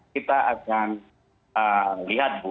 kita akan lihat bu